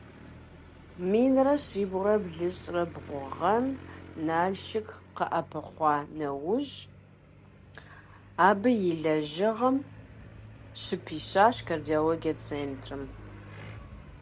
Минрэ щибгъурэ блыщӏрэ бгъу гъэм, Налшык къэӏэпхъуа нэужь, абы и лэжьыгъэм щыпищащ Кардиологие центрым.